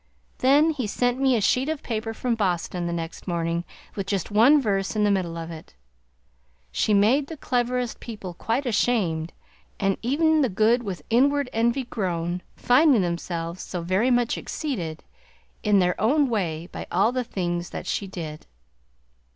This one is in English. Then he sent me a sheet of paper from Boston the next morning with just one verse in the middle of it. "She made the cleverest people quite ashamed; And ev'n the good with inward envy groan, Finding themselves so very much exceeded, In their own way by all the things that she did."